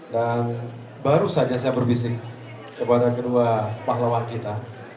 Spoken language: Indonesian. dan baru saja saya berbisik kepada kedua pahlawan kita